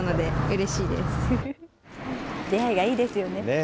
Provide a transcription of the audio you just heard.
出会いがいいですよね。